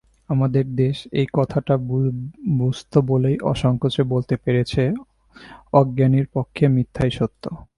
আমাদের দেশ এই কথাটা বুঝত বলেই অসংকোচে বলতে পেরেছে, অজ্ঞানীর পক্ষে মিথ্যাই সত্য।